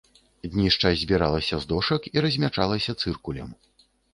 Днішча збіралася з дошак і размячалася цыркулем.